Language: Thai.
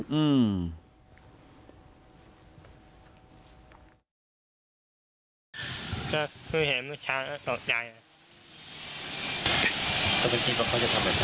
เมื่อกี้ก็เขาจะทำอะไรกัน